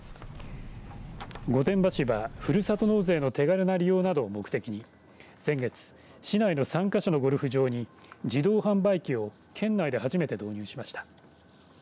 御殿場市はふるさと納税の手軽な利用などを目的に先月、市内の３か所のゴルフ場に自動販売機を県内で初めて導入しました。